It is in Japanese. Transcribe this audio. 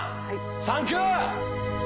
サンキュー！